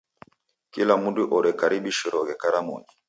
Kila mndu orekaribishiroghe karamunyi.